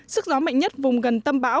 sức gió mạnh nhất vùng gần tâm bão